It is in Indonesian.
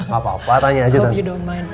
gapapa tanya aja tante